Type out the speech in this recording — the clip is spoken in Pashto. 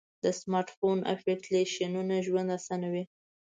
د سمارټ فون اپلیکیشنونه ژوند آسانه کوي.